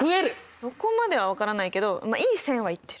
そこまでは分からないけどまあいい線はいってる。